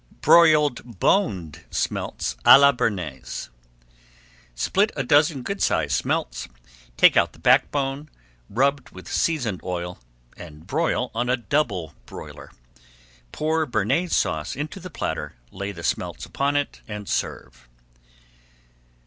BROILED BONED SMELTS À LA BEARNAISE Split a dozen good sized smelts, take out the back bone, rub with seasoned oil, and broil on a double broiler. Pour Bearnaise Sauce into the platter, lay the smelts upon it, and serve.